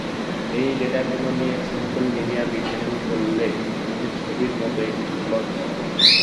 এই ডেটাগুলো নিয়ে simple linear regression করলে নিচের ছবির মত একটি প্লট পাওয়া যাবে।